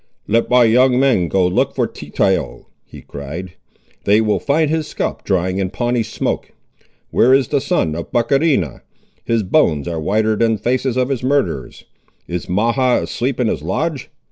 "Let my young men go look for Tetao!" he cried; "they will find his scalp drying in Pawnee smoke. Where is the son of Bohrecheena? His bones are whiter than the faces of his murderers. Is Mahhah asleep in his lodge?